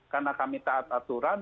karena kami takat aturan